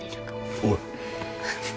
おい！